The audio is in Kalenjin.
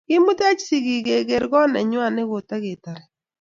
Kimuteech sigik kegeer koot nengway nogotigetare